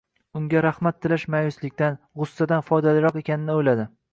unga rahmat tilash ma'yuslikdan, g'ussadan foydaliroq ekanini o'yladi.